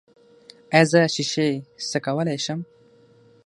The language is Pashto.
ایا زه شیشې څکولی شم؟